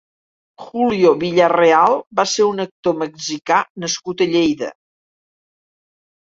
Julio Villarreal va ser un actor mexicà nascut a Lleida.